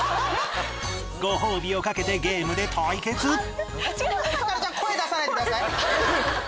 ご褒美を懸けてゲームで対決違う。